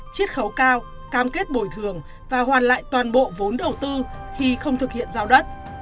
chiết khấu cao cam kết bồi thường và hoàn lại toàn bộ vốn đầu tư khi không thực hiện giao đất